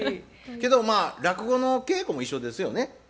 けどまあ落語のお稽古も一緒ですよね。